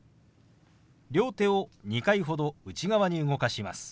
両手を２回ほど内側に動かします。